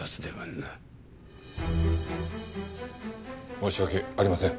申し訳ありません。